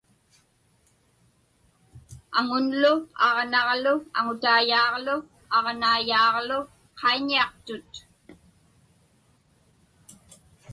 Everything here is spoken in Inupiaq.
Aŋunlu aġnaġlu aŋutaiyaaġlu aġnaiyaaġlu qaiñiaqtut.